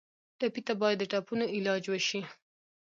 ټپي ته باید د ټپونو علاج وشي.